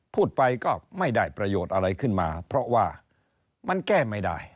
พูดไปก็ไม่ได้ประโยชน์อะไรขึ้นมาเพราะว่ามันแก้ไม่ได้